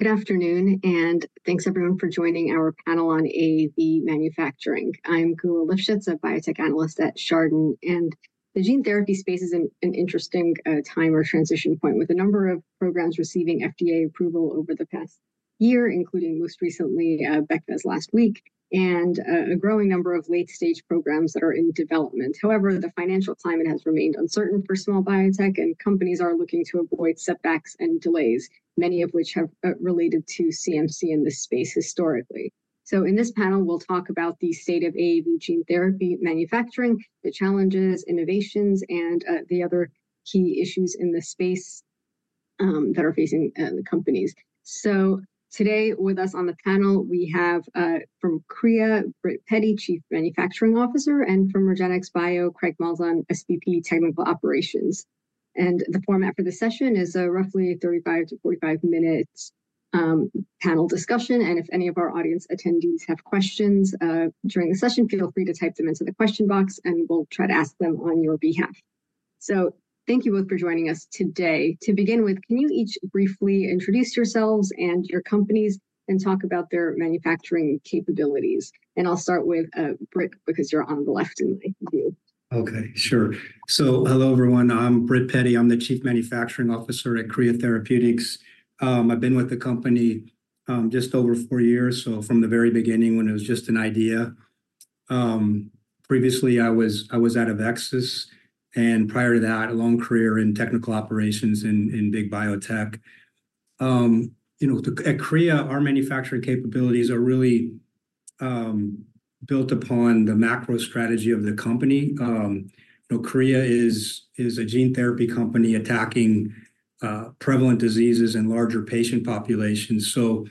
Good afternoon, and thanks everyone for joining our panel on AAV manufacturing. I'm Geulah Livshits, a biotech analyst at Chardan, and the gene therapy space is in an interesting time or transition point, with a number of programs receiving FDA approval over the past year, including most recently, Beqvez last week, and a growing number of late-stage programs that are in development. However, the financial climate has remained uncertain for small biotech, and companies are looking to avoid setbacks and delays, many of which have related to CMC in this space historically. So in this panel, we'll talk about the state of AAV gene therapy manufacturing, the challenges, innovations, and the other key issues in this space that are facing the companies. So today, with us on the panel, we have from Kriya, Britt Petty, Chief Manufacturing Officer, and from REGENXBIO, Craig Malzahn, SVP Technical Operations. The format for the session is roughly 35-45 minutes panel discussion, and if any of our audience attendees have questions during the session, feel free to type them into the question box, and we'll try to ask them on your behalf. So thank you both for joining us today. To begin with, can you each briefly introduce yourselves and your companies and talk about their manufacturing capabilities? I'll start with Britt, because you're on the left in my view. Okay, sure. So hello, everyone. I'm Britt Petty. I'm the Chief Manufacturing Officer at Kriya Therapeutics. I've been with the company, just over four years, so from the very beginning, when it was just an idea. Previously, I was, I was at AveXis, and prior to that, a long career in technical operations in, in big biotech. You know, at Kriya, our manufacturing capabilities are really, built upon the macro strategy of the company. You know, Kriya is, is a gene therapy company attacking, prevalent diseases in larger patient populations. So,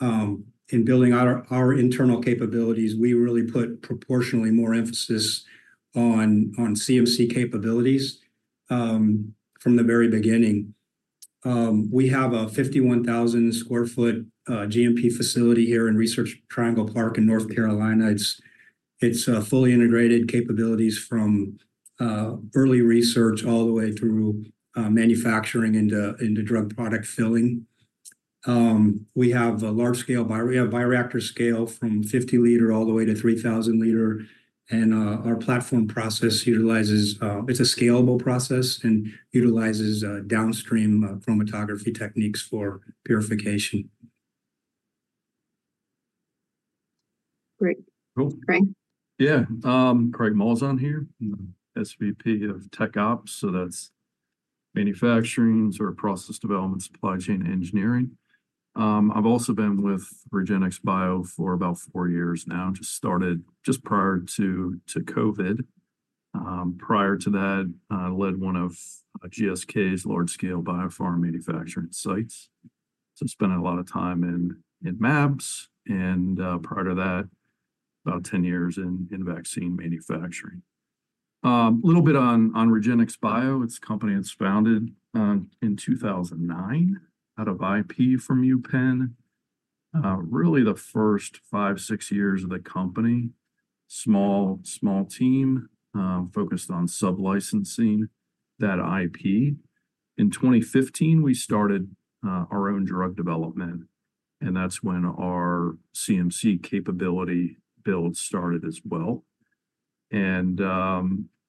in building out our internal capabilities, we really put proportionally more emphasis on, on CMC capabilities, from the very beginning. We have a 51,000 sq ft GMP facility here in Research Triangle Park in North Carolina. It's fully integrated capabilities from early research all the way through manufacturing into drug product filling. We have bioreactor scale from 50-liter all the way to 3,000-liter, and our platform process utilizes. It's a scalable process and utilizes downstream chromatography techniques for purification. Great. Cool. Craig? Yeah. Craig Malzahn here, SVP of Tech Ops, so that's manufacturing, sort of process development, supply chain, engineering. I've also been with REGENXBIO for about four years now. Just started just prior to COVID. Prior to that, I led one of GSK's large-scale biopharm manufacturing sites. So I spent a lot of time in mAbs and, prior to that, about 10 years in vaccine manufacturing. A little bit on REGENXBIO, it's a company that's founded in 2009 out of IP from UPenn. Really the first five, six years of the company, small team, focused on sub-licensing that IP. In 2015, we started our own drug development, and that's when our CMC capability build started as well.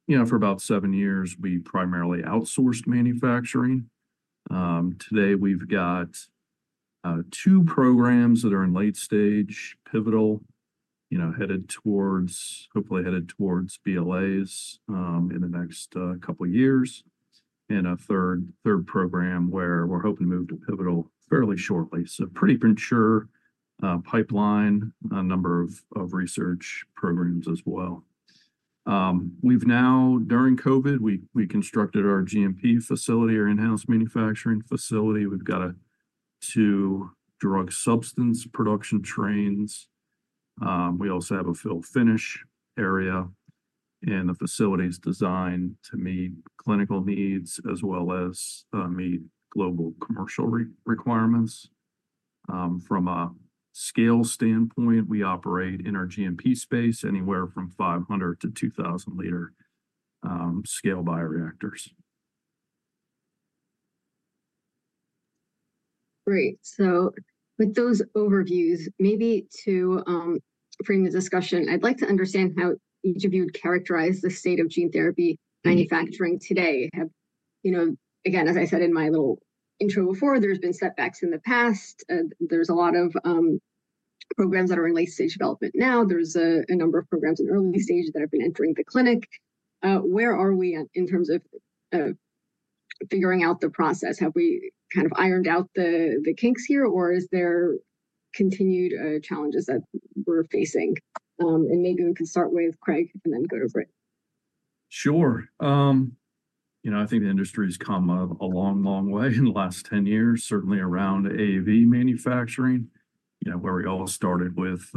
You know, for about seven years, we primarily outsourced manufacturing. Today, we've got two programs that are in late-stage pivotal, you know, headed towards- hopefully headed towards BLAs in the next couple of years. A third program where we're hoping to move to pivotal fairly shortly. So pretty mature pipeline, a number of research programs as well. We've now, during COVID, we constructed our GMP facility, our in-house manufacturing facility. We've got two drug substance production trains. We also have a fill finish area, and the facility is designed to meet clinical needs as well as meet global commercial requirements. From a scale standpoint, we operate in our GMP space, anywhere from 500- to 2,000-liter scale bioreactors. Great. So with those overviews, maybe to frame the discussion, I'd like to understand how each of you would characterize the state of gene therapy manufacturing today. You know, again, as I said in my little intro before, there's been setbacks in the past. There's a lot of programs that are in late-stage development now. There's a number of programs in early stage that have been entering the clinic. Where are we at in terms of figuring out the process? Have we kind of ironed out the kinks here, or is there continued challenges that we're facing? And maybe we can start with Craig and then go to Britt. Sure. You know, I think the industry has come a long, long way in the last 10 years, certainly around AAV manufacturing. You know, where we all started with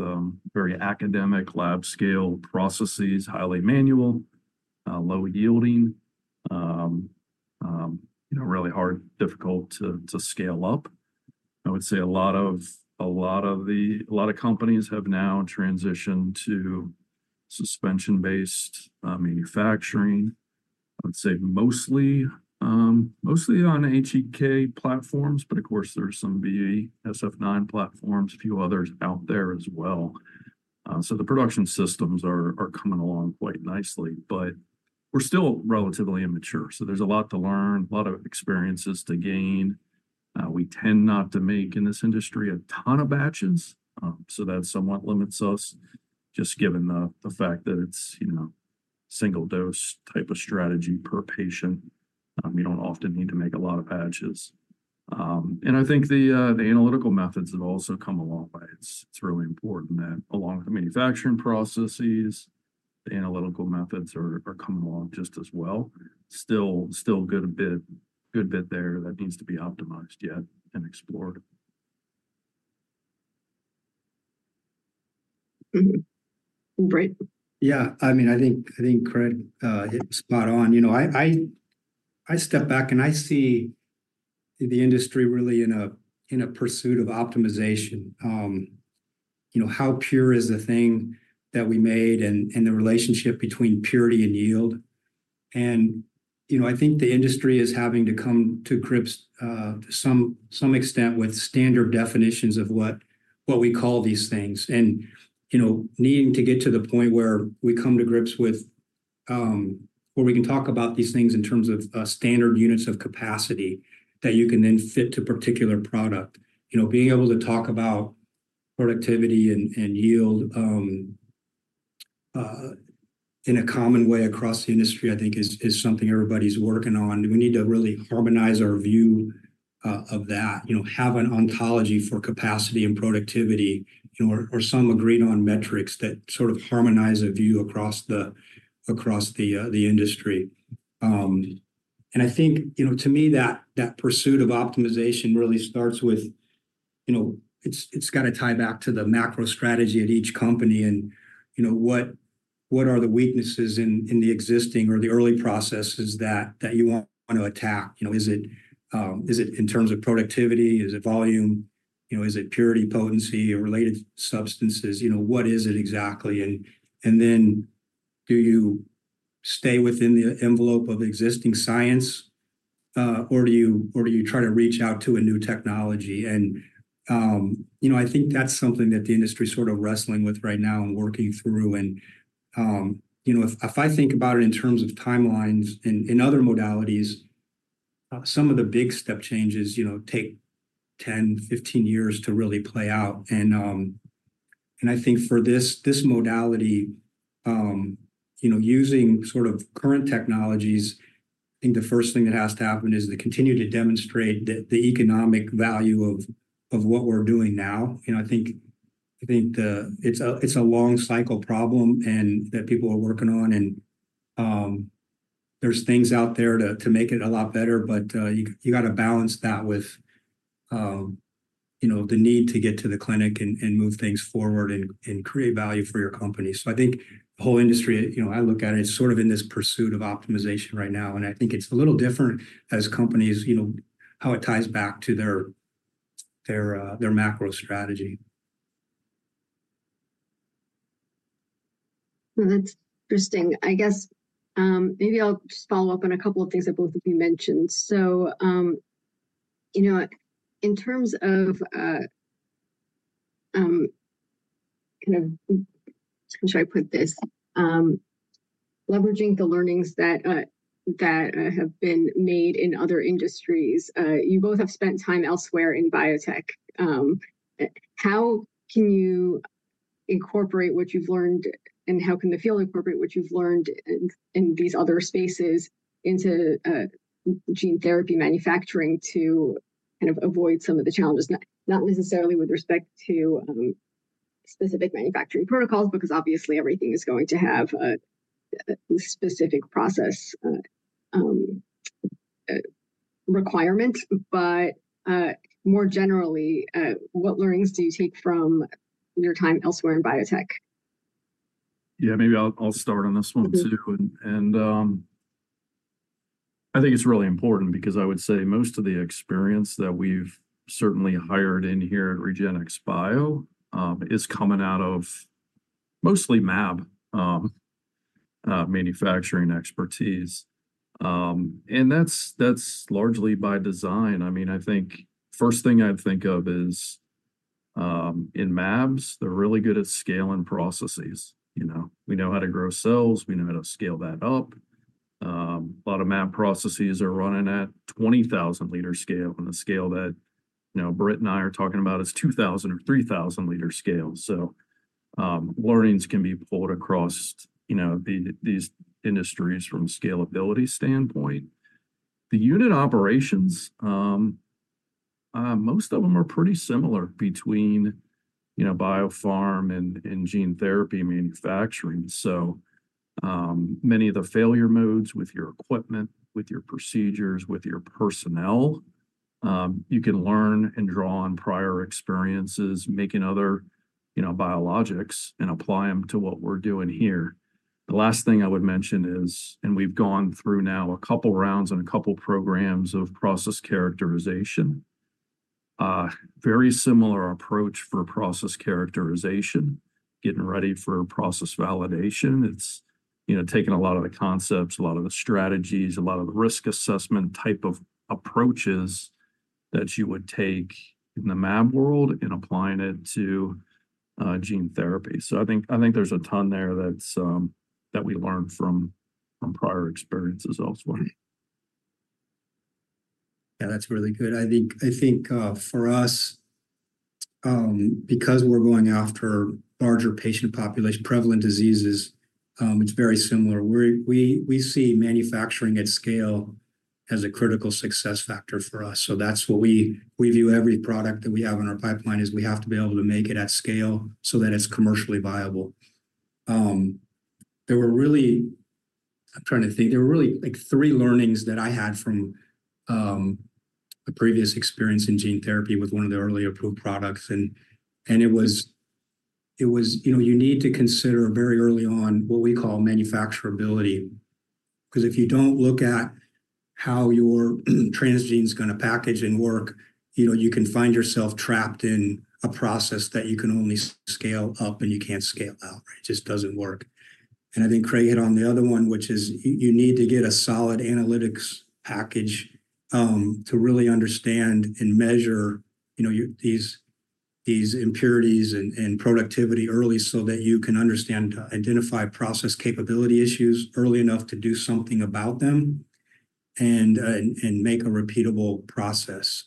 very academic lab-scale processes, highly manual, low yielding, you know, really hard, difficult to scale up. I would say a lot of companies have now transitioned to suspension-based manufacturing. I would say mostly on HEK platforms, but of course, there are some VE, SF9 platforms, a few others out there as well. So the production systems are coming along quite nicely, but we're still relatively immature, so there's a lot to learn, a lot of experiences to gain. We tend not to make, in this industry, a ton of batches, so that somewhat limits us, just given the fact that it's, you know, single dose type of strategy per patient. You don't often need to make a lot of batches. And I think the analytical methods have also come along by it. It's really important that along with the manufacturing processes, the analytical methods are coming along just as well. Still, a good bit there that needs to be optimized yet and explored. Mm-hmm. Britt? Yeah, I mean, I think Craig hit it spot on. You know, I step back and I see the industry really in a pursuit of optimization. You know, how pure is the thing that we made and the relationship between purity and yield? And, you know, I think the industry is having to come to grips to some extent with standard definitions of what we call these things. And, you know, needing to get to the point where we come to grips with where we can talk about these things in terms of standard units of capacity, that you can then fit to particular product. You know, being able to talk about productivity and yield in a common way across the industry, I think is something everybody's working on. We need to really harmonize our view of that. You know, have an ontology for capacity and productivity, you know, or some agreed-on metrics that sort of harmonize a view across the industry. And I think, you know, to me, that pursuit of optimization really starts with, you know, it's got to tie back to the macro strategy at each company, and, you know, what are the weaknesses in the existing or the early processes that you want to attack? You know, is it in terms of productivity? Is it volume? You know, is it purity, potency, or related substances? You know, what is it exactly? And then do you stay within the envelope of existing science, or do you try to reach out to a new technology? You know, I think that's something that the industry is sort of wrestling with right now and working through. You know, if I think about it in terms of timelines in other modalities, some of the big step changes, you know, take 10, 15 years to really play out. And I think for this modality, you know, using sort of current technologies, I think the first thing that has to happen is to continue to demonstrate the economic value of what we're doing now. You know, I think it's a long cycle problem, and that people are working on, and there's things out there to make it a lot better, but you got to balance that with you know, the need to get to the clinic and move things forward and create value for your company. So I think the whole industry, you know, I look at it, it's sort of in this pursuit of optimization right now, and I think it's a little different as companies, you know, how it ties back to their macro strategy. Well, that's interesting. I guess, maybe I'll just follow up on a couple of things that both of you mentioned. So, you know, in terms of, kind of, how should I put this? Leveraging the learnings that have been made in other industries, you both have spent time elsewhere in biotech. How can you incorporate what you've learned, and how can the field incorporate what you've learned in these other spaces into gene therapy manufacturing to kind of avoid some of the challenges? Not necessarily with respect to specific manufacturing protocols, because obviously everything is going to have a specific process requirement, but more generally, what learnings do you take from your time elsewhere in biotech? Yeah, maybe I'll, I'll start on this one too. Mm-hmm. I think it's really important because I would say most of the experience that we've certainly hired in here at REGENXBIO is coming out of mostly Mab manufacturing expertise. And that's, that's largely by design. I mean, I think first thing I'd think of is in Mabs, they're really good at scaling processes. You know, we know how to grow cells, we know how to scale that up. A lot of Mab processes are running at 20,000-liter scale on a scale that, you know, Britt and I are talking about is 2,000 or 3,000-liter scale. So, learnings can be pulled across, you know, these industries from a scalability standpoint. The unit operations, most of them are pretty similar between, you know, biopharm and gene therapy manufacturing. So, many of the failure modes with your equipment, with your procedures, with your personnel, you can learn and draw on prior experiences making other, you know, biologics and apply them to what we're doing here. The last thing I would mention is, and we've gone through now a couple of rounds and a couple programs of process characterization. Very similar approach for process characterization, getting ready for process validation. It's, you know, taking a lot of the concepts, a lot of the strategies, a lot of the risk assessment type of approaches that you would take in the MAFB world and applying it to gene therapy. So I think, I think there's a ton there that's that we learned from, from prior experiences elsewhere. Yeah, that's really good. I think for us, because we're going after larger patient population, prevalent diseases, it's very similar. We see manufacturing at scale as a critical success factor for us. So that's what we view every product that we have in our pipeline, is we have to be able to make it at scale so that it's commercially viable. There were really... I'm trying to think. There were really, like, three learnings that I had from a previous experience in gene therapy with one of the early approved products, and it was, you know, you need to consider very early on what we call manufacturability. 'Cause if you don't look at how your transgene is going to package and work, you know, you can find yourself trapped in a process that you can only scale up and you can't scale out. It just doesn't work. And I think Craig hit on the other one, which is you need to get a solid analytics package to really understand and measure, you know, these, these impurities and, and productivity early, so that you can understand, identify process capability issues early enough to do something about them, and make a repeatable process.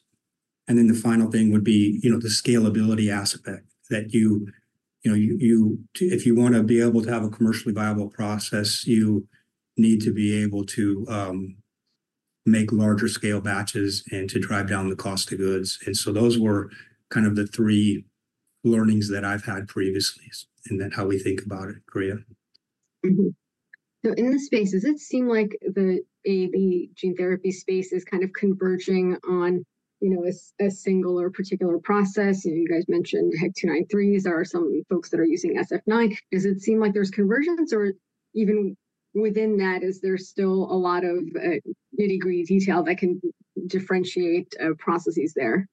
And then the final thing would be, you know, the scalability aspect, that you know, if you want to be able to have a commercially viable process, you need to be able to make larger scale batches and to drive down the cost of goods. And so those were kind of the three learnings that I've had previously, and then how we think about it. Kriya? Mm-hmm. So in this space, does it seem like the AAV gene therapy space is kind of converging on, you know, a single or particular process? You guys mentioned HEK 293s or some folks that are using SF9. Does it seem like there's convergence, or even within that, is there still a lot of nitty-gritty detail that can differentiate processes there?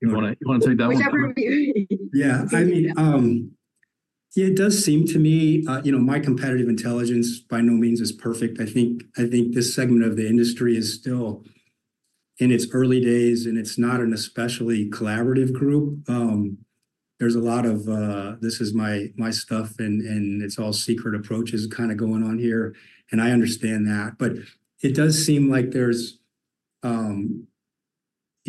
You wanna take that one? Whichever you- Yeah. I mean, it does seem to me, you know, my competitive intelligence by no means is perfect. I think, I think this segment of the industry is still in its early days, and it's not an especially collaborative group. There's a lot of, this is my, my stuff, and, and it's all secret approaches kinda going on here, and I understand that. But it does seem like there's,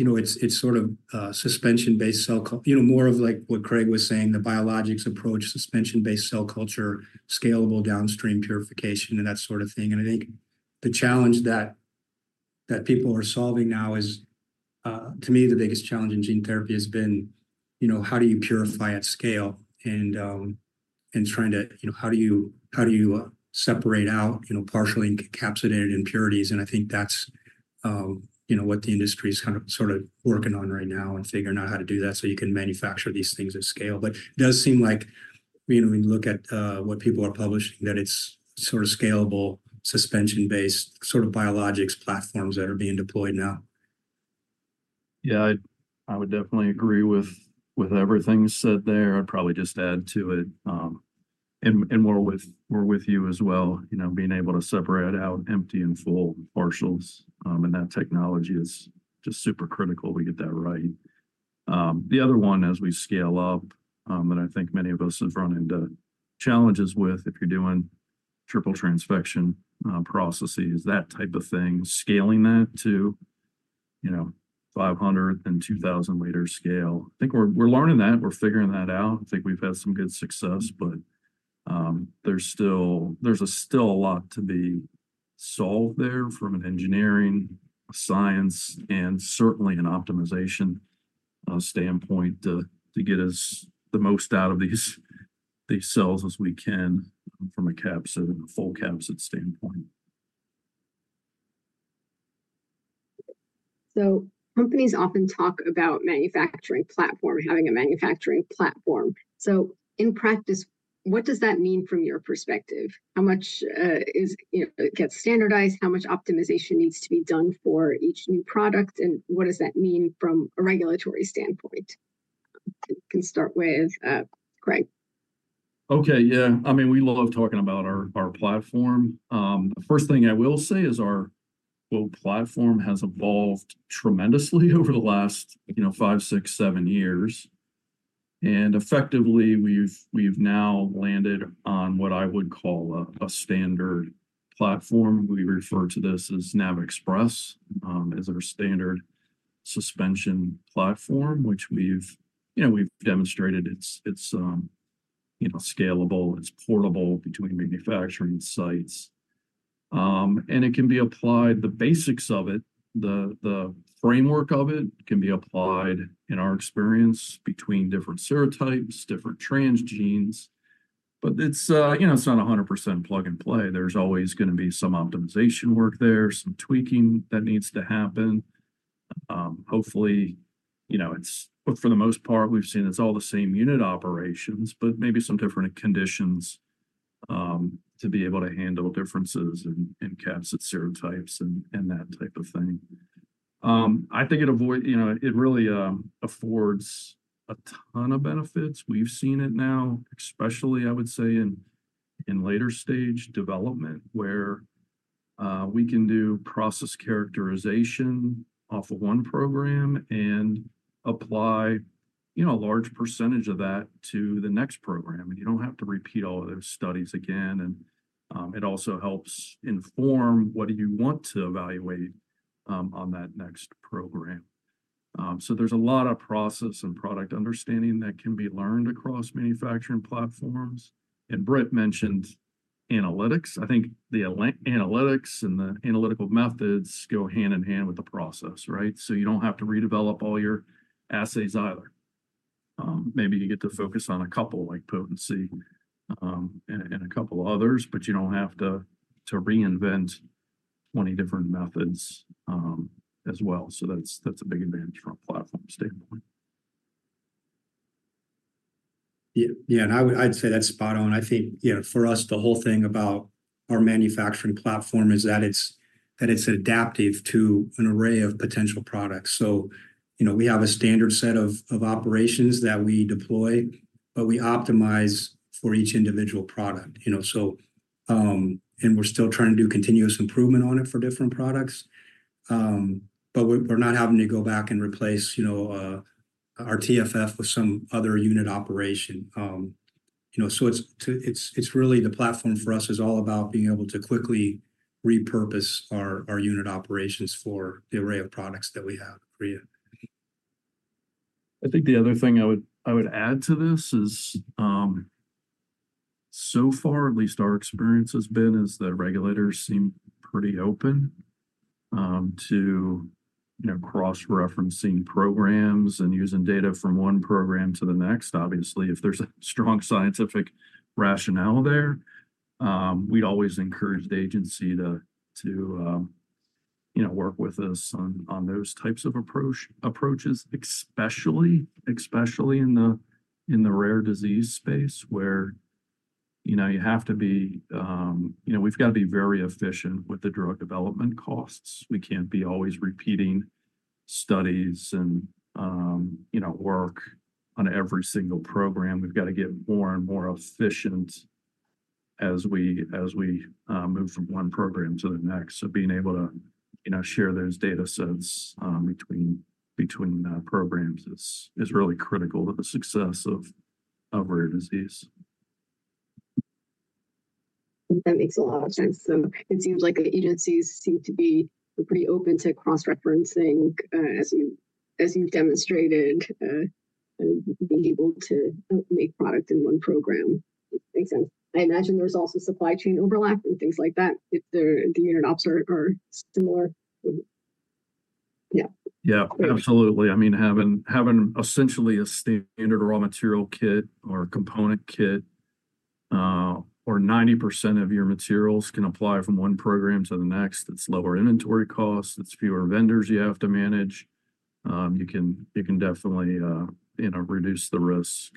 you know, it's, it's sort of a suspension-based cell culture, you know, more of like what Craig was saying, the biologics approach, suspension-based cell culture, scalable downstream purification, and that sort of thing. And I think the challenge that, that people are solving now is, to me, the biggest challenge in gene therapy has been, you know, how do you purify at scale? And trying to, you know, how do you separate out, you know, partially encapsulated impurities? And I think that's, you know, what the industry is kind of, sort of working on right now and figuring out how to do that, so you can manufacture these things at scale. But it does seem like, you know, when you look at what people are publishing, that it's sort of scalable, suspension-based, sort of biologics platforms that are being deployed now. Yeah. I would definitely agree with everything said there. I'd probably just add to it, and we're with you as well. You know, being able to separate out empty and full partials, and that technology is just super critical to get that right. The other one, as we scale up, and I think many of us have run into challenges with, if you're doing triple transfection processes, that type of thing, scaling that to, you know, 500- 2,000-liter scale. I think we're learning that, we're figuring that out. I think we've had some good success, but there's still a lot to be solved there from an engineering, science, and certainly an optimization standpoint to get us the most out of these cells as we can from a capsid, a full capsid standpoint. So companies often talk about manufacturing platform, having a manufacturing platform. So in practice, what does that mean from your perspective? How much is, you know, it gets standardized, how much optimization needs to be done for each new product, and what does that mean from a regulatory standpoint? We can start with Craig. Okay. Yeah, I mean, we love talking about our platform. The first thing I will say is our whole platform has evolved tremendously over the last, you know, five, six, seven years. And effectively, we've now landed on what I would call a standard platform. We refer to this as NAV Express as our standard suspension platform, which we've, you know, we've demonstrated it's scalable, it's portable between manufacturing sites. And it can be applied, the basics of it, the framework of it can be applied, in our experience, between different serotypes, different transgenes. But it's, you know, it's not 100% plug-and-play. There's always gonna be some optimization work there, some tweaking that needs to happen. Hopefully, you know, it's but for the most part, we've seen it's all the same unit operations, but maybe some different conditions to be able to handle differences in capsid serotypes and that type of thing. I think it avoid, you know, it really affords a ton of benefits. We've seen it now, especially. I would say, in later stage development, where we can do process characterization off of one program and apply, you know, a large percentage of that to the next program. And you don't have to repeat all those studies again, and it also helps inform what do you want to evaluate on that next program. So there's a lot of process and product understanding that can be learned across manufacturing platforms. And Britt mentioned analytics. I think the analytics and the analytical methods go hand in hand with the process, right? So you don't have to redevelop all your assays either. Maybe you get to focus on a couple, like potency, and a couple of others, but you don't have to reinvent 20 different methods, as well. So that's a big advantage from a platform standpoint. Yeah, yeah, and I'd say that's spot on. I think, you know, for us, the whole thing about our manufacturing platform is that it's adaptive to an array of potential products. So, you know, we have a standard set of operations that we deploy, but we optimize for each individual product, you know. So, and we're still trying to do continuous improvement on it for different products. But we're not having to go back and replace, you know, our TFF with some other unit operation. You know, so it's really the platform for us is all about being able to quickly repurpose our unit operations for the array of products that we have at Kriya. I think the other thing I would add to this is, so far, at least our experience has been, is that regulators seem pretty open to, you know, cross-referencing programs and using data from one program to the next. Obviously, if there's a strong scientific rationale there, we'd always encourage the agency to, to you know, work with us on those types of approaches, especially in the rare disease space, where, you know, you have to be, you know, we've got to be very efficient with the drug development costs. We can't be always repeating studies and, you know, work on every single program. We've got to get more and more efficient as we move from one program to the next. Being able to, you know, share those datasets between programs is really critical to the success of rare disease. That makes a lot of sense. So it seems like the agencies seem to be pretty open to cross-referencing, as you've demonstrated, and being able to make product in one program. It makes sense. I imagine there's also supply chain overlap and things like that if the unit ops are similar. Yeah. Yeah, absolutely. I mean, having essentially a standard raw material kit or component kit, or 90% of your materials can apply from one program to the next, it's lower inventory costs, it's fewer vendors you have to manage. You can definitely, you know, reduce the risks,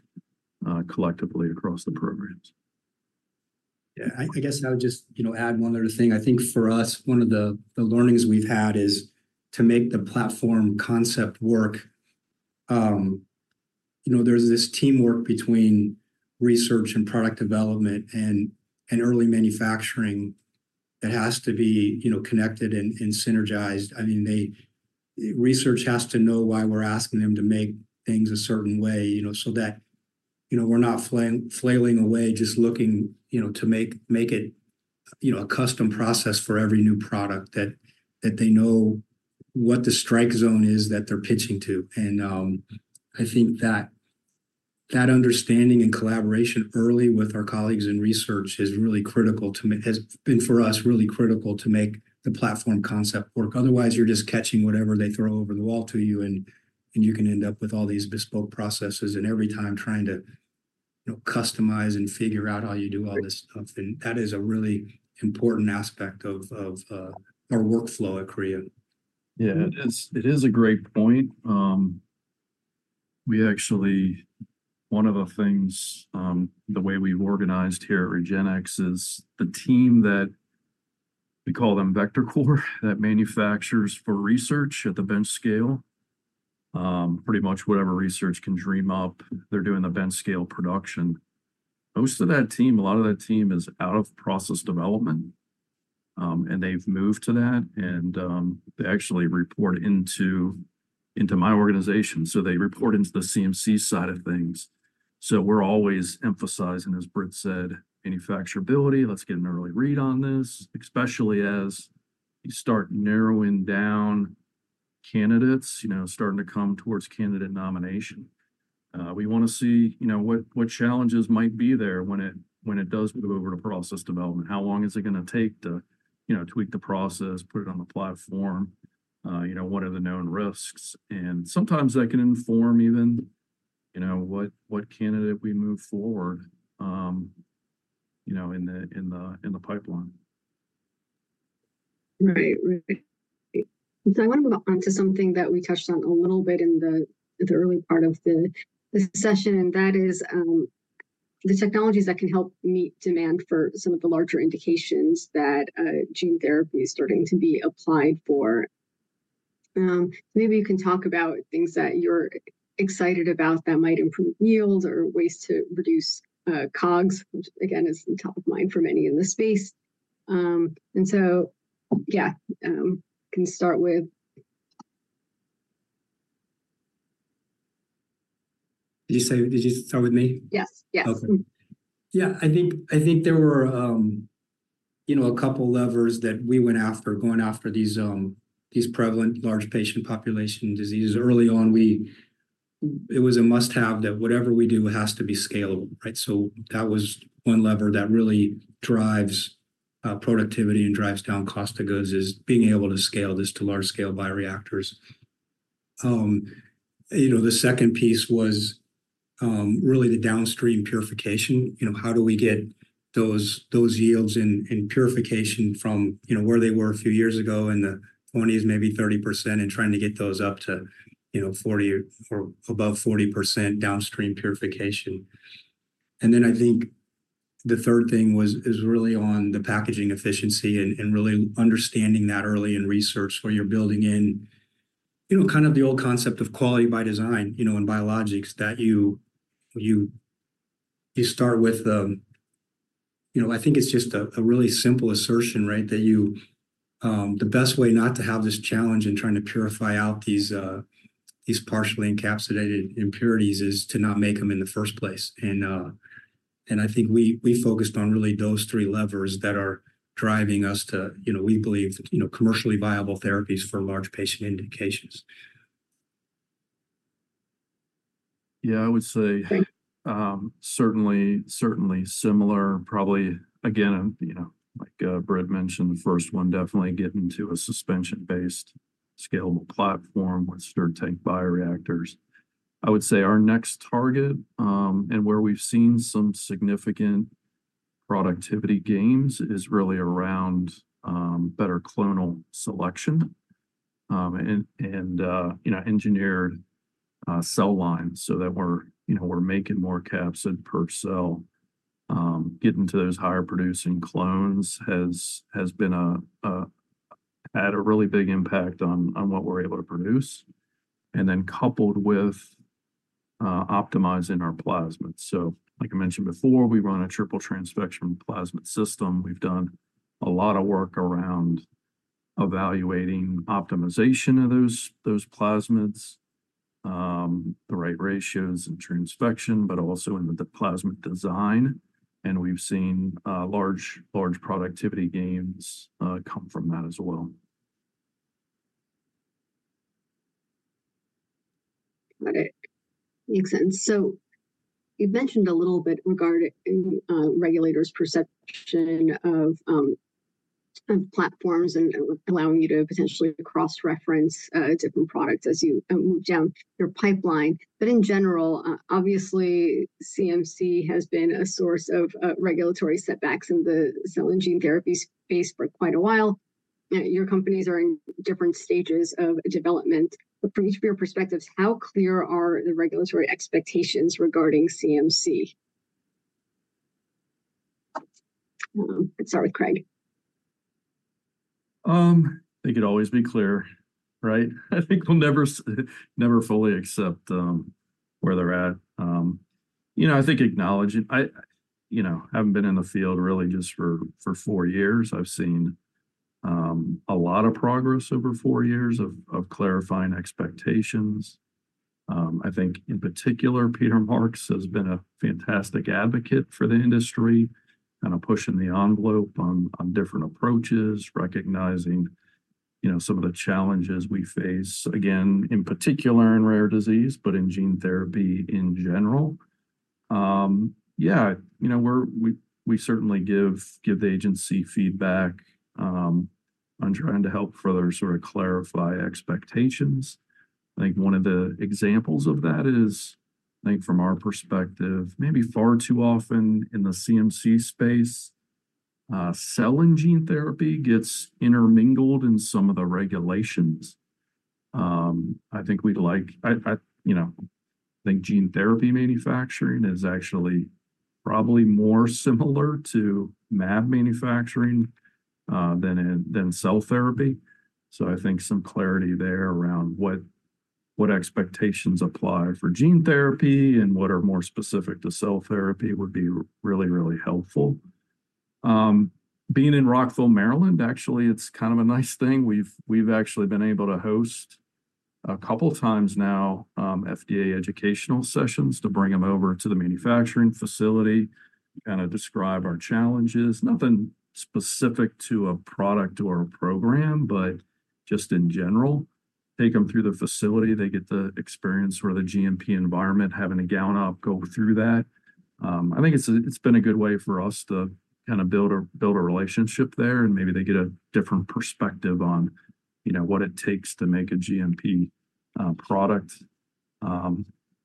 collectively across the programs. Yeah, I guess I would just, you know, add one other thing. I think for us, one of the learnings we've had is to make the platform concept work, you know, there's this teamwork between research and product development and early manufacturing that has to be, you know, connected and synergized. I mean, they... research has to know why we're asking them to make things a certain way, you know, so that, you know, we're not flaying, flailing away, just looking, you know, to make it, you know, a custom process for every new product that they know what the strike zone is that they're pitching to. And, I think that understanding and collaboration early with our colleagues in research is really critical, has been, for us, really critical to make the platform concept work. Otherwise, you're just catching whatever they throw over the wall to you, and you can end up with all these bespoke processes, and every time trying to, you know, customize and figure out how you do all this stuff. And that is a really important aspect of our workflow at Kriya. Yeah, it is, it is a great point. We actually, one of the things, the way we've organized here at REGENXBIO is the team that we call them Vector Core, that manufactures for research at the bench scale. Pretty much whatever research can dream up, they're doing the bench-scale production. Most of that team, a lot of that team is out of process development, and they've moved to that, and, they actually report into, into my organization. So they report into the CMC side of things. So we're always emphasizing, as Britt said, manufacturability, let's get an early read on this, especially as you start narrowing down candidates, you know, starting to come towards candidate nomination. We wanna see, you know, what, what challenges might be there when it, when it does move over to process development. How long is it gonna take to, you know, tweak the process, put it on the platform? You know, what are the known risks? Sometimes that can inform even, you know, what candidate we move forward, you know, in the pipeline.... Right, right. So I want to move on to something that we touched on a little bit in the early part of the session, and that is the technologies that can help meet demand for some of the larger indications that gene therapy is starting to be applied for. Maybe you can talk about things that you're excited about that might improve yield or ways to reduce COGS, which again is top of mind for many in this space. And so, can start with- Did you say, did you start with me? Yes. Yes. Okay. Yeah, I think, I think there were, you know, a couple levers that we went after, going after these, these prevalent large patient population diseases. Early on, it was a must-have that whatever we do has to be scalable, right? So that was one lever that really drives, productivity and drives down cost of goods, is being able to scale this to large-scale bioreactors. You know, the second piece was, really the downstream purification. You know, how do we get those, those yields and, and purification from, you know, where they were a few years ago in the 20s, maybe 30%, and trying to get those up to, you know, 40 or above 40% downstream purification. And then I think the third thing is really on the packaging efficiency and really understanding that early in research where you're building in, you know, kind of the old concept of quality by design, you know, in biologics, that you start with. You know, I think it's just a really simple assertion, right? That you, the best way not to have this challenge in trying to purify out these partially encapsulated impurities is to not make them in the first place. And I think we focused on really those three levers that are driving us to, you know, we believe, you know, commercially viable therapies for large patient indications. Yeah, I would say, certainly, certainly similar, probably again, you know, like, Britt mentioned, the first one definitely getting to a suspension-based scalable platform with stirred-tank bioreactors. I would say our next target, and where we've seen some significant productivity gains is really around, better clonal selection, and, and, you know, engineered, cell lines so that we're, you know, we're making more capsid per cell. Getting to those higher-producing clones has been a, had a really big impact on, on what we're able to produce, and then coupled with, optimizing our plasmids. So like I mentioned before, we run a triple transfection plasmid system. We've done a lot of work around evaluating optimization of those plasmids, the right ratios and transfection, but also in the plasmid design. We've seen large, large productivity gains come from that as well. Got it. Makes sense. So you've mentioned a little bit regarding regulators' perception of platforms and allowing you to potentially cross-reference different products as you move down your pipeline. But in general, obviously, CMC has been a source of regulatory setbacks in the cell and gene therapy space for quite a while. Your companies are in different stages of development, but from each of your perspectives, how clear are the regulatory expectations regarding CMC? Let's start with Craig. They could always be clear, right? I think we'll never fully accept where they're at. You know, I think acknowledging... I, you know, haven't been in the field really just for four years. I've seen a lot of progress over four years of clarifying expectations. I think in particular, Peter Marks has been a fantastic advocate for the industry, kind of pushing the envelope on different approaches, recognizing, you know, some of the challenges we face, again, in particular in rare disease, but in gene therapy in general. Yeah, you know, we certainly give the agency feedback on trying to help further sort of clarify expectations. I think one of the examples of that is, I think from our perspective, maybe far too often in the CMC space, cell and gene therapy gets intermingled in some of the regulations. I think we'd like... I you know think gene therapy manufacturing is actually probably more similar to mAb manufacturing than cell therapy. So I think some clarity there around what expectations apply for gene therapy and what are more specific to cell therapy would be really, really helpful. Being in Rockville, Maryland, actually, it's kind of a nice thing. We've actually been able to host a couple times now, FDA educational sessions to bring them over to the manufacturing facility, kind of describe our challenges. Nothing specific to a product or a program, but just in general, take them through the facility. They get to experience sort of the GMP environment, having a gown up, go through that. I think it's, it's been a good way for us to kind of build a, build a relationship there, and maybe they get a different perspective on, you know, what it takes to make a GMP, product...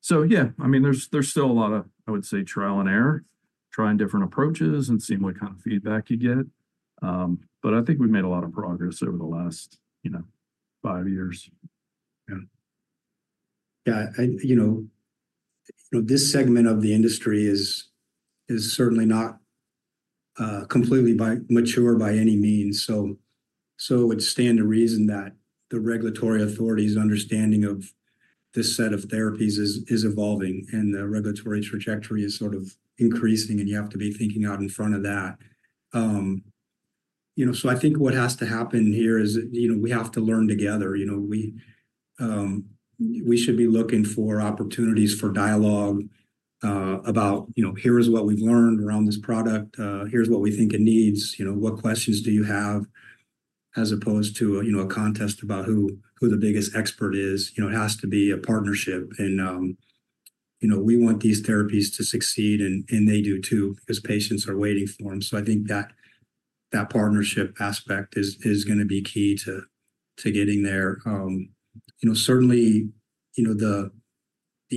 So yeah, I mean, there's, there's still a lot of, I would say, trial and error, trying different approaches and seeing what kind of feedback you get. But I think we've made a lot of progress over the last, you know, five years. Yeah. Yeah, you know, this segment of the industry is certainly not completely immature by any means. So it would stand to reason that the regulatory authorities' understanding of this set of therapies is evolving, and the regulatory trajectory is sort of increasing, and you have to be thinking out in front of that. You know, so I think what has to happen here is, you know, we have to learn together. You know, we should be looking for opportunities for dialogue about, you know, "Here is what we've learned around this product, here's what we think it needs, you know, what questions do you have?" As opposed to, you know, a contest about who the biggest expert is. You know, it has to be a partnership, and, you know, we want these therapies to succeed, and they do too, because patients are waiting for them. So I think that partnership aspect is gonna be key to getting there. You know, certainly, you know, the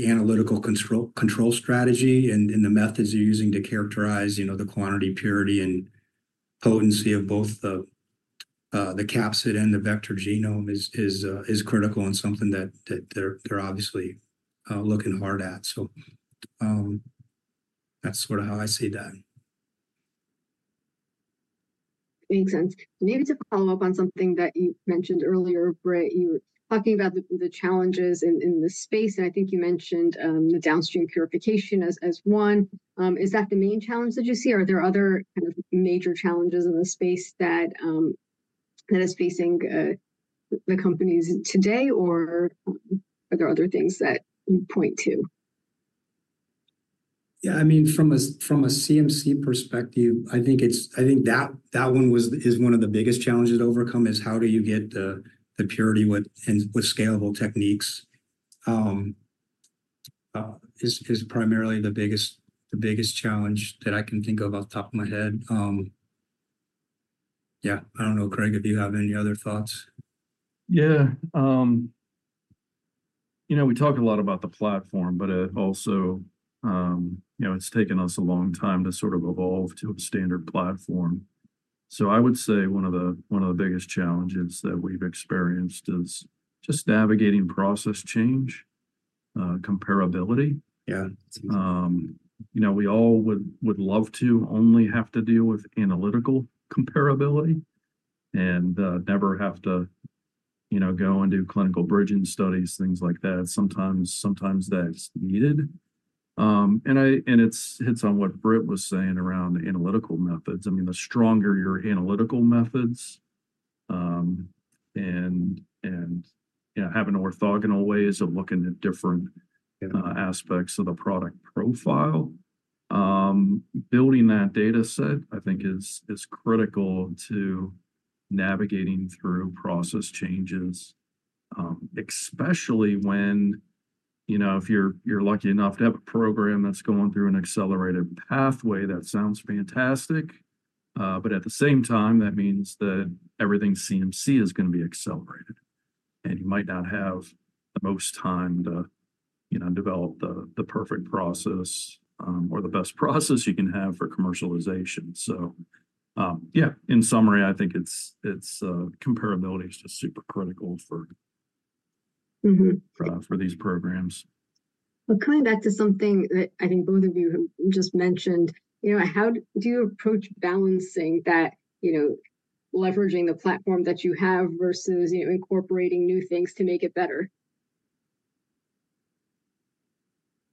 analytical control strategy and the methods you're using to characterize, you know, the quantity, purity, and potency of both the capsid and the vector genome is critical and something that they're obviously looking hard at. So, that's sort of how I see that. Makes sense. Maybe to follow up on something that you mentioned earlier, Britt, you were talking about the challenges in this space, and I think you mentioned the downstream purification as one. Is that the main challenge that you see, or are there other kind of major challenges in the space that is facing the companies today, or are there other things that you'd point to? Yeah, I mean, from a CMC perspective, I think it's... I think that one is one of the biggest challenges to overcome, is how do you get the purity with scalable techniques, is primarily the biggest challenge that I can think of off the top of my head. Yeah, I don't know, Craig, if you have any other thoughts. Yeah. You know, we talked a lot about the platform, but, also, you know, it's taken us a long time to sort of evolve to a standard platform. So I would say one of the biggest challenges that we've experienced is just navigating process change, comparability. Yeah. You know, we all would love to only have to deal with analytical comparability and never have to, you know, go and do clinical bridging studies, things like that. Sometimes that's needed. And it hits on what Britt was saying around the analytical methods. I mean, the stronger your analytical methods, and you know, having orthogonal ways of looking at different- Yeah... aspects of the product profile, building that data set, I think is critical to navigating through process changes. Especially when, you know, if you're lucky enough to have a program that's going through an accelerated pathway, that sounds fantastic, but at the same time, that means that everything CMC is gonna be accelerated, and you might not have the most time to, you know, develop the perfect process, or the best process you can have for commercialization. So, yeah, in summary, I think it's comparability is just super critical for- Mm-hmm... for these programs. Well, coming back to something that I think both of you just mentioned, you know, how do you approach balancing that, you know, leveraging the platform that you have versus, you know, incorporating new things to make it better?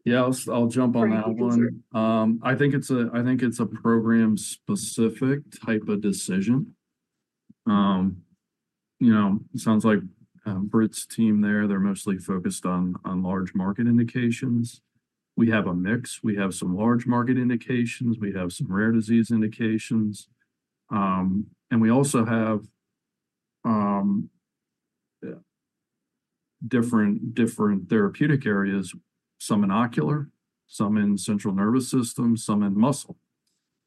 Yeah, I'll jump on that one. Sure. I think it's a program-specific type of decision. You know, it sounds like Britt's team there, they're mostly focused on large market indications. We have a mix. We have some large market indications, we have some rare disease indications, and we also have different therapeutic areas, some in ocular, some in central nervous system, some in muscle,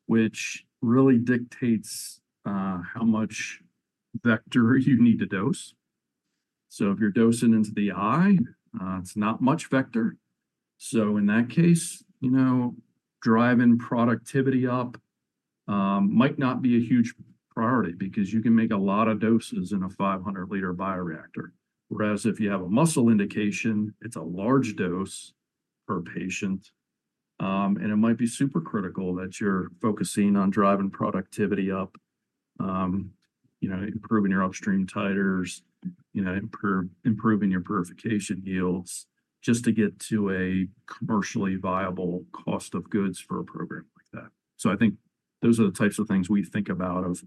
which really dictates how much vector you need to dose. So if you're dosing into the eye, it's not much vector. So in that case, you know, driving productivity up might not be a huge priority because you can make a lot of doses in a 500-liter bioreactor. Whereas if you have a muscle indication, it's a large dose per patient, and it might be super critical that you're focusing on driving productivity up, you know, improving your upstream titers, you know, improving your purification yields just to get to a commercially viable cost of goods for a program like that. So I think those are the types of things we think about,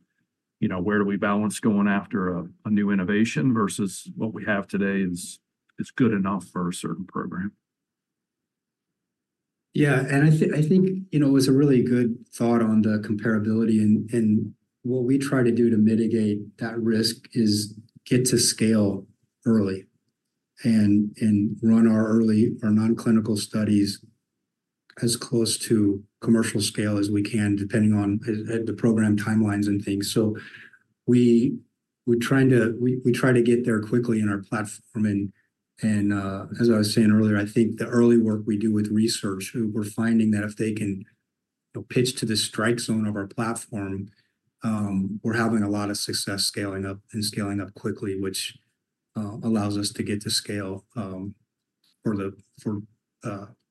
you know, where do we balance going after a new innovation versus what we have today is good enough for a certain program. Yeah, and I think, you know, it was a really good thought on the comparability, and what we try to do to mitigate that risk is get to scale early and run our early non-clinical studies as close to commercial scale as we can, depending on the program timelines and things. So we're trying to get there quickly in our platform. As I was saying earlier, I think the early work we do with research, we're finding that if they can pitch to the strike zone of our platform, we're having a lot of success scaling up and scaling up quickly, which allows us to get to scale for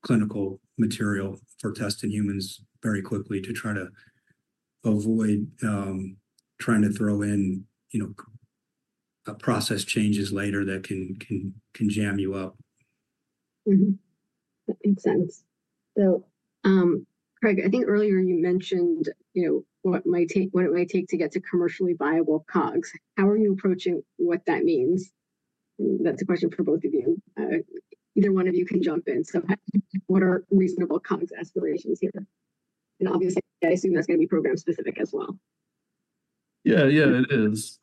clinical material, for tests in humans very quickly to try to avoid trying to throw in, you know, process changes later that can jam you up. Mm-hmm. That makes sense. So, Craig, I think earlier you mentioned, you know, what it might take, what it might take to get to commercially viable COGS. How are you approaching what that means? That's a question for both of you. Either one of you can jump in. So what are reasonable COGS aspirations here? And obviously, I assume that's going to be program-specific as well. Yeah, yeah, it is.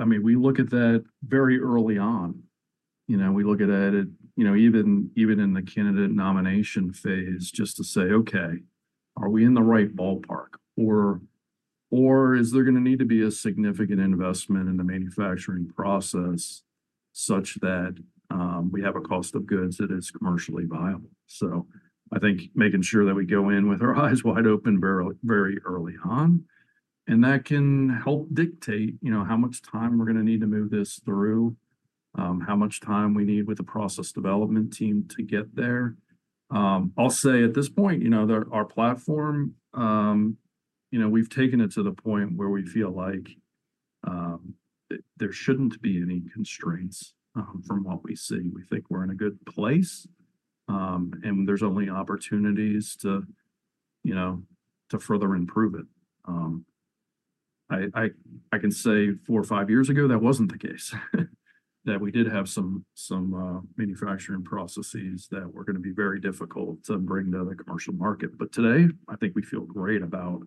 I mean, we look at that very early on. You know, we look at it, you know, even in the candidate nomination phase, just to say, "Okay, are we in the right ballpark, or is there going to need to be a significant investment in the manufacturing process such that we have a cost of goods that is commercially viable?" So I think making sure that we go in with our eyes wide open very, very early on, and that can help dictate, you know, how much time we're going to need to move this through, how much time we need with the process development team to get there. I'll say at this point, you know, our platform, you know, we've taken it to the point where we feel like there shouldn't be any constraints, from what we see. We think we're in a good place, and there's only opportunities to, you know, to further improve it. I can say four or five years ago, that wasn't the case. That we did have some manufacturing processes that were going to be very difficult to bring to the commercial market. But today, I think we feel great about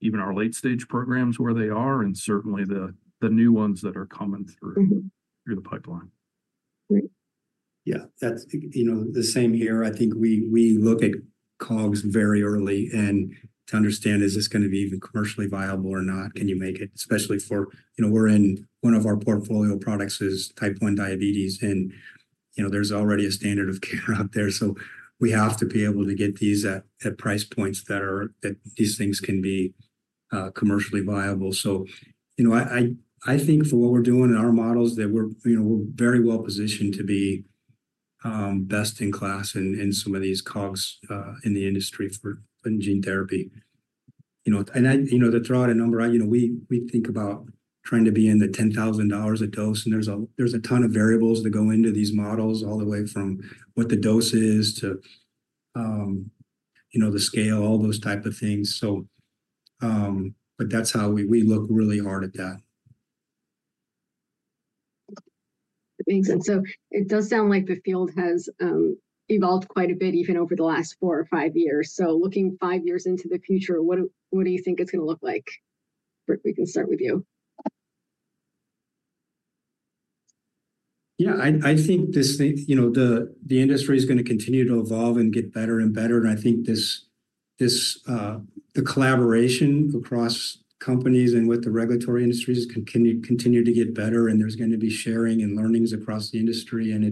even our late-stage programs, where they are, and certainly the new ones that are coming through- Mm-hmm... through the pipeline. Great. Yeah, that's, you know, the same here. I think we look at COGS very early, and to understand, is this going to be even commercially viable or not? Can you make it especially for... You know, we're one of our portfolio products is type 1 diabetes, and, you know, there's already a standard of care out there. So we have to be able to get these at price points that are that these things can be commercially viable. So, you know, I think for what we're doing in our models, that we're, you know, we're very well positioned to be best in class in some of these COGS in the industry for gene therapy. You know, and I, you know, to throw out a number, you know, we think about trying to be in the $10,000 a dose, and there's a ton of variables that go into these models, all the way from what the dose is to, you know, the scale, all those type of things. So, but that's how we look really hard at that. Thanks. And so it does sound like the field has evolved quite a bit, even over the last four or five years. So looking five years into the future, what do you think it's going to look like? Britt, we can start with you. Yeah, I think this thing, you know, the industry is going to continue to evolve and get better and better. And I think the collaboration across companies and with the regulatory agencies is going to continue to get better, and there's going to be sharing and learnings across the industry, and,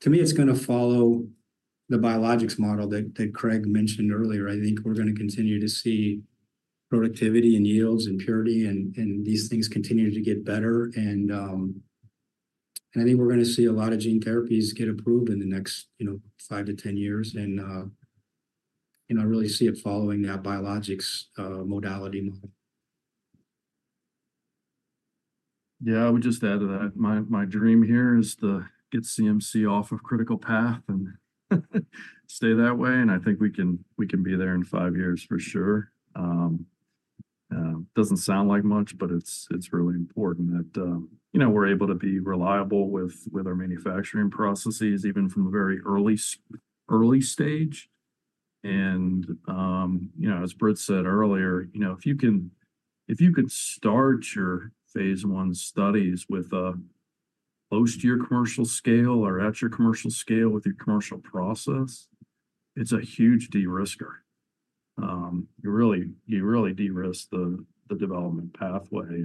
to me, it's gonna follow the biologics model that Craig mentioned earlier. I think we're going to continue to see productivity and yields and purity and these things continue to get better. And I think we're going to see a lot of gene therapies get approved in the next, you know, five to 10 years and, you know, I really see it following that biologics modality model. Yeah, I would just add to that. My dream here is to get CMC off of critical path and stay that way, and I think we can be there in five years for sure. Doesn't sound like much, but it's really important that, you know, we're able to be reliable with our manufacturing processes, even from a very early stage. You know, as Britt said earlier, you know, if you could start your phase 1 studies with close to your commercial scale or at your commercial scale with your commercial process, it's a huge de-risker. You really de-risk the development pathway.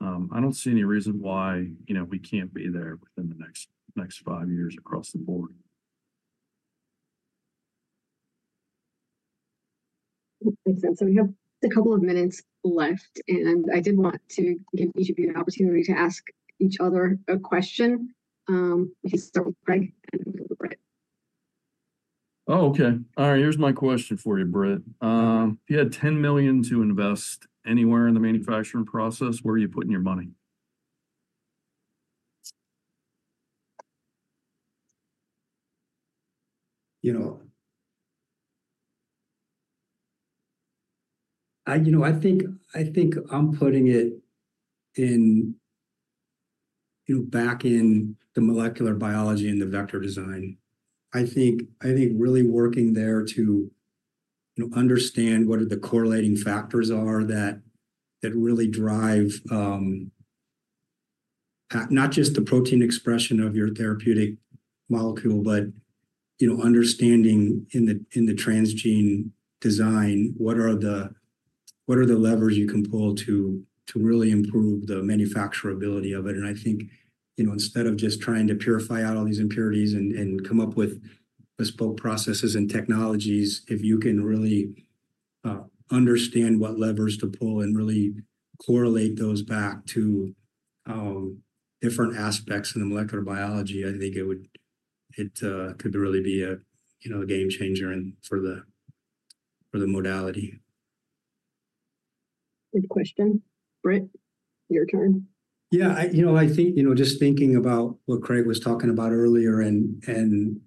I don't see any reason why, you know, we can't be there within the next five years across the board. Makes sense. So we have a couple of minutes left, and I did want to give each of you an opportunity to ask each other a question. We can start with Craig, and then go to Britt. Oh, okay. All right, here's my question for you, Britt. If you had $10 million to invest anywhere in the manufacturing process, where are you putting your money? You know, I, you know, I think, I think I'm putting it in, you know, back in the molecular biology and the vector design. I think, I think really working there to, you know, understand what are the correlating factors are that, that really drive, not just the protein expression of your therapeutic molecule, but, you know, understanding in the, in the transgene design, what are the, what are the levers you can pull to, to really improve the manufacturability of it. I think, you know, instead of just trying to purify out all these impurities and come up with bespoke processes and technologies, if you can really understand what levers to pull and really correlate those back to different aspects in the molecular biology, I think it could really be a, you know, a game changer for the modality. Good question. Brent, your turn. Yeah, you know, I think, you know, just thinking about what Craig was talking about earlier and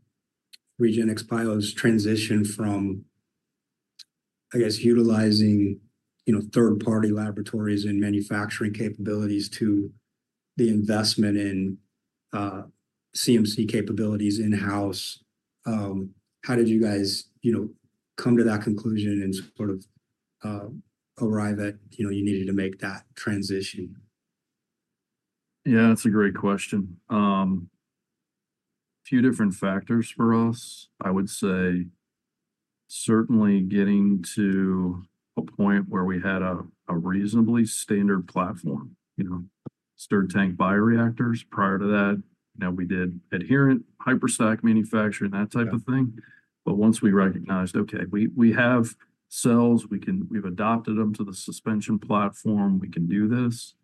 REGENXBIO's transition from, I guess, utilizing, you know, third-party laboratories and manufacturing capabilities to the investment in CMC capabilities in-house. How did you guys, you know, come to that conclusion and sort of arrive at, you know, you needed to make that transition? Yeah, that's a great question. Few different factors for us. I would say certainly getting to a point where we had a reasonably standard platform, you know, stirred-tank bioreactors prior to that. You know, we did adherent hyperstack manufacturing, that type of thing. But once we recognized, okay, we have cells, we can—we've adopted them to the suspension platform, we can do this.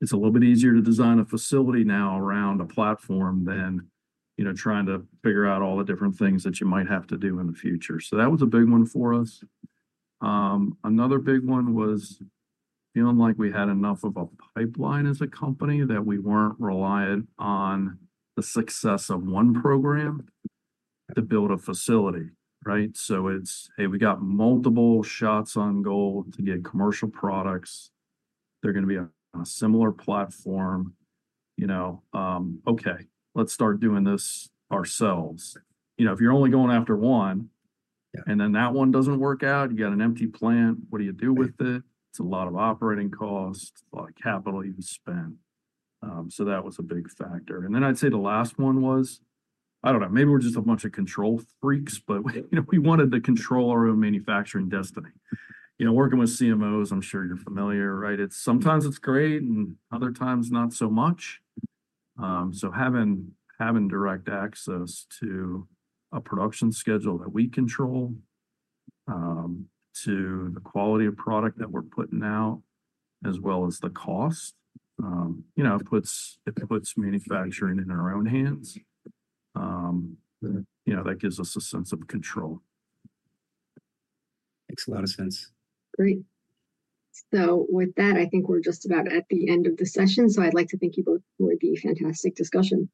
It's a little bit easier to design a facility now around a platform than, you know, trying to figure out all the different things that you might have to do in the future. So that was a big one for us. Another big one was feeling like we had enough of a pipeline as a company, that we weren't reliant on the success of one program to build a facility, right? So it's, "Hey, we got multiple shots on goal to get commercial products. They're gonna be on a similar platform," you know? "Okay, let's start doing this ourselves." You know, if you're only going after one- Yeah. - and then that one doesn't work out, you got an empty plant. What do you do with it? It's a lot of operating costs, it's a lot of capital you've spent. So that was a big factor. And then I'd say the last one was, I don't know, maybe we're just a bunch of control freaks, but you know, we wanted to control our own manufacturing destiny. You know, working with CMOs, I'm sure you're familiar, right? It's sometimes great, and other times not so much. So having direct access to a production schedule that we control, to the quality of product that we're putting out, as well as the cost, you know, it puts- Yeah. It puts manufacturing in our own hands. You know, that gives us a sense of control. Makes a lot of sense. Great. With that, I think we're just about at the end of the session. I'd like to thank you both for the fantastic discussion.